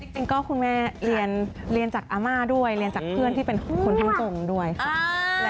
จริงก็คุณแม่เรียนเรียนจากอาม่าด้วยเรียนจากเพื่อนที่เป็นคุณผู้ชมด้วยค่ะ